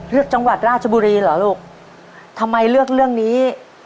จังหวัดราชบุรีเหรอลูกทำไมเลือกเรื่องนี้